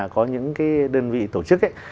có những cái đơn vị tổ chức ấy